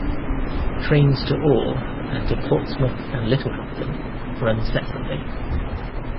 Trains to Ore and to Portsmouth and Littlehampton run separately.